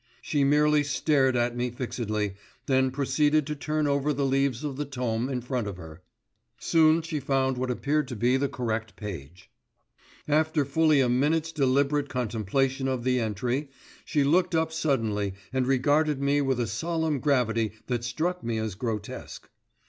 She merely stared at me fixedly, then proceeded to turn over the leaves of the tome in front of her. Soon she found what appeared to be the correct page. After fully a minute's deliberate contemplation of the entry, she looked up suddenly and regarded me with a solemn gravity that struck me as grotesque.